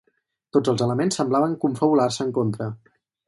Tots els elements semblaven confabular-se en contra.